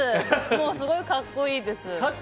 すごいかっこいいです。